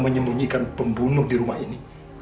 menyembunyikan pembunuh di rumah ini